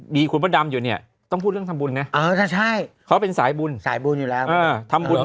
บีครูพอดำอยู่เนี่ยต้องพูดเรื่องทำบุญนะก็เป็นสายบุญทำบุญ